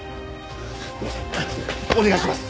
お願いします！